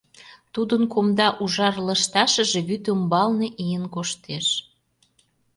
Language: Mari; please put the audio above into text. Тудын кумда ужар лышташыже вӱд ӱмбалне ийын коштеш.